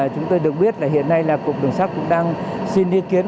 chúng tôi được biết hiện nay cục đường sắt cũng đang xin ý kiến